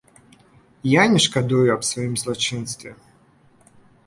Я не шкадую аб сваім злачынстве.